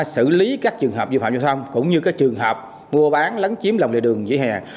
xử lý các trường hợp vi phạm giao thông cũng như các trường hợp mua bán lấn chiếm lòng lề đường vỉa hè